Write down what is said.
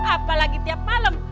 apalagi tiap malam